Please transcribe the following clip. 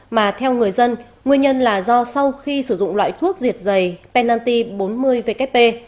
mà theo người dân nguyên nhân là do sau khi sử dụng loại thuốc diệt giày pennalty bốn mươi vkp